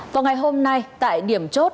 vào ngày hôm nay tại điểm chốt